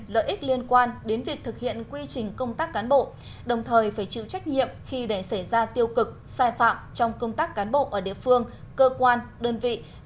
lợi ích liên quan đến việc thực hiện quy trình công tác cán bộ đồng thời phải chịu trách nhiệm khi để xảy ra tiêu cực sai phạm trong công tác cán bộ ở địa phương cơ quan đơn vị